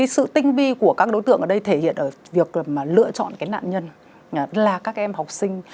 sự tinh vi của các đối tượng ở đây thể hiện ở việc lựa chọn nạn nhân là các em học sinh